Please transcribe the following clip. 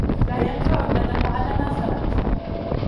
لا ينفع الندم على ما فات.